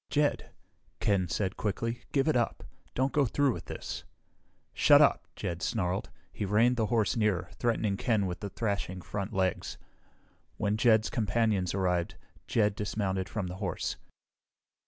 "Jed," Ken said quickly, "give it up! Don't go through with this!" "Shut up!" Jed snarled. He reined the horse nearer, threatening Ken with the thrashing front legs. When Jed's companions arrived, Jed dismounted from the horse.